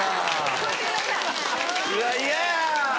うわ嫌や！